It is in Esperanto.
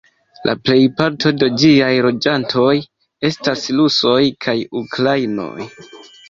La plejparto de ĝiaj loĝantoj estas rusoj kaj ukrainoj.